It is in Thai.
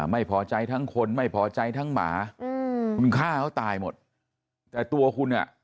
ไม่พอใจทั้งคนไม่พอใจทั้งหมาอืมคุณฆ่าเขาตายหมดแต่ตัวคุณอ่ะ